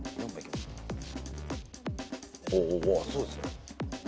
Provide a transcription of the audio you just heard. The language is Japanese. おおおおそうですね。